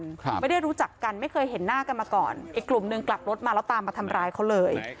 ครับไม่ได้รู้จักกันไม่เคยเห็นหน้ากันมาก่อนอีกกลุ่มหนึ่งกลับรถมาแล้วตามมาทำร้ายเขาเลย